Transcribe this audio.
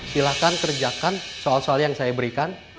silahkan kerjakan soal soal yang saya berikan